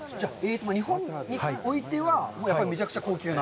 日本においてはめちゃくちゃ高級な？